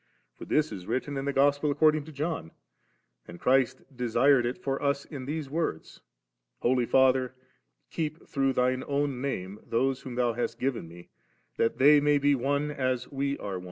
For this is written in the Gospel according to John, and Christ desired it for us in these words, * Holy Father, keep through Thine own Name, those whom Thou hast given Me, that they may be one, as We are«.'